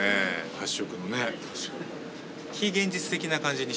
発色もね。